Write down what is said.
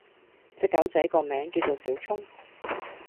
隻狗仔個名叫做小聰